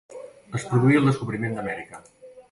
Es produí el descobriment d'Amèrica.